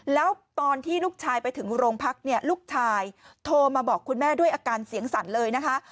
แล้วตอนที่ลูกชายไปถึงโรงพักเนี่ยลูกชายโทรมาบอกคุณแม่ด้วยอาการเสียงสั่นเลยนะคะ